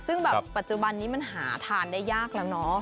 ซึ่งแบบปัจจุบันนี้มันหาทานได้ยากแล้วเนาะ